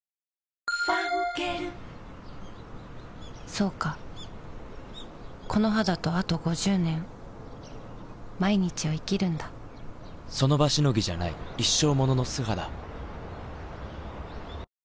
そうかこの肌とあと５０年その場しのぎじゃない一生ものの素肌